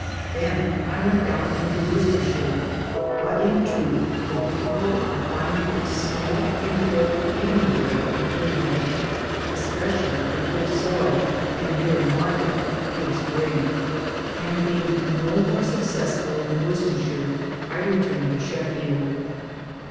Then I went down into Worcestershire ; but in truth the difficulty of finding a small freehold anywhere in England especially with good soil and near a market is great ; and being no more successful in Wor cestershire I returned to Sheffield.